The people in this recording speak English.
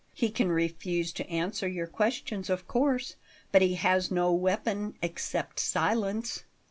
He can refuse to answer your questions, of course; but he has no weapon except silence."